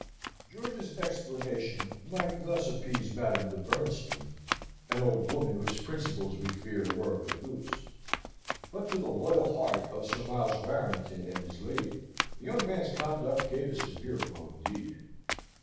George's explanation might thus appease Madame de Bernstein, an old woman whose principles we fear were but loose: but to the loyal heart of Sir Miles Warrington and his lady, the young man's conduct gave a severe blow indeed!